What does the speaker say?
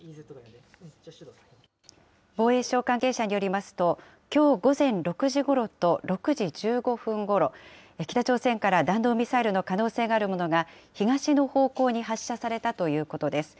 防衛省関係者によりますと、きょう午前６時ごろと６時１５分ごろ、北朝鮮から弾道ミサイルの可能性があるものが、東の方向に発射されたということです。